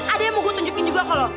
ada yang mau gue tunjukin juga ke lo